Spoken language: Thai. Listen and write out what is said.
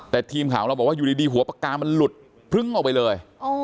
แต่ทีมข่าวเราบอกว่าอยู่ดีหัวปากกามันหลุดพึ้งออกไปเลย